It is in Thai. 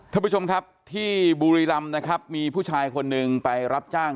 ท่านผู้ชมครับที่บุรีรำนะครับมีผู้ชายคนหนึ่งไปรับจ้าง